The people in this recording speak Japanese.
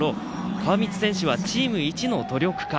川満選手はチームいちの努力家。